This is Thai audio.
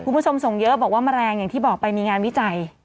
คุณผู้ชมส่งเยอะบอกว่าแมลงอย่างที่บอกไปมีงานวิจัย